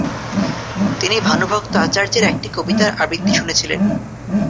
তিনি ভানুভক্ত আচার্যের একটি কবিতার আবৃত্তি শুনেছিলেন।